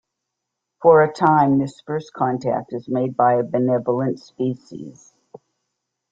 For a time, this first contact is made by a benevolent species.